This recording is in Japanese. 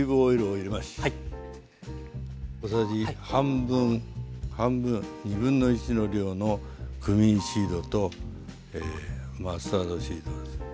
小さじ半分半分1/2の量のクミンシードとマスタードシードです。